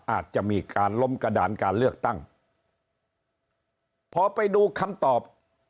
อาจจะมีการล้มกระดานการเลือกตั้งพอไปดูคำตอบ